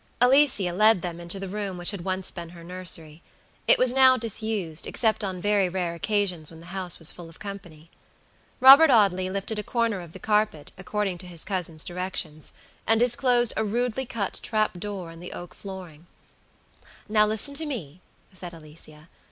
Alicia led them into the room which had once been her nursery. It was now disused, except on very rare occasions when the house was full of company. Robert Audley lifted a corner of the carpet, according to his cousin's directions, and disclosed a rudely cut trap door in the oak flooring. "Now listen to me," said Alicia.